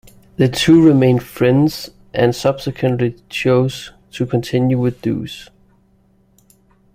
The two remained friends and subsequently, chose to continue with Dos.